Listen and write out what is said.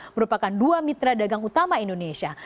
merupakan dua mitra dagang utama indonesia